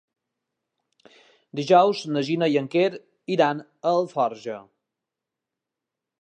Dijous na Gina i en Quer iran a Alforja.